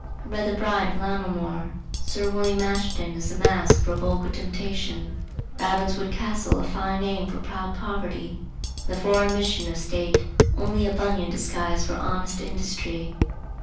I read the Bride of Lammermoor. Sir William Ashton is a mask for a vulgar temptation, Ravenswood Castle a fine name for proud poverty, and the foreign mission of state only a Bunyan disguise for honest industry.